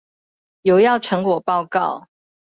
有要成果報告